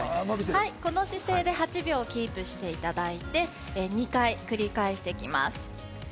この姿勢で８秒キープしていただいて、２回繰り返していきます。